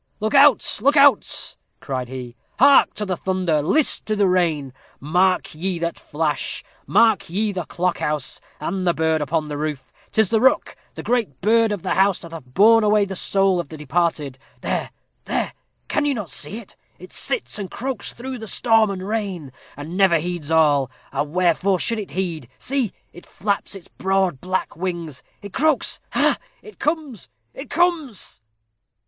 "Look out, look out!" cried he; "hark to the thunder list to the rain! Marked ye that flash marked ye the clock house and the bird upon the roof? 'tis the rook the great bird of the house, that hath borne away the soul of the departed. There, there can you not see it? it sits and croaks through storm and rain, and never heeds at all and wherefore should it heed? See, it flaps its broad black wings it croaks ha, ha! It comes it comes."